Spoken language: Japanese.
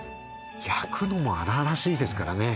焼くのも荒々しいですからね